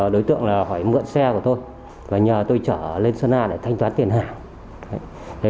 đối tượng là hỏi mượn xe của tôi và nhờ tôi chở lên sơn a để thanh toán tiền hàng